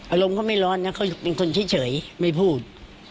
อารมณ์เขาไม่ร้อนนะเขาเป็นคนเฉยไม่พูด